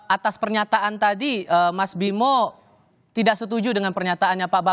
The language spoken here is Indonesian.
atas pernyataan tadi mas bimo tidak setuju dengan pernyataannya pak bambang